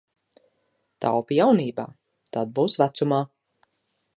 Taupi jaunībā, tad būs vecumā.